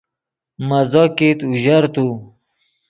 مزو کیت اوژر تو